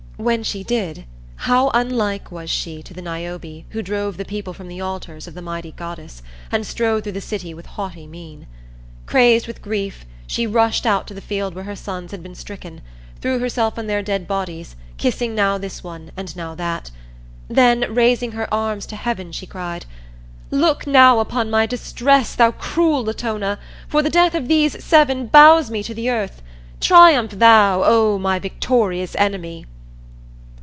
When she did, how unlike was she to the Niobe who drove the people from the altars of the mighty goddess and strode through the city with haughty mien. Crazed with grief she rushed out to the field where her sons had been stricken, threw herself on their dead bodies, kissing now this one and now that. Then, raising her arms to heaven, she cried, "Look now upon my distress, thou cruel Latona; for the death of these seven bows me to the earth. Triumph thou, O my victorious enemy!"